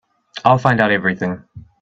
I'll find out everything.